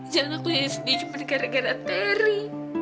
jangan aku yang sendiri cuma gara gara teri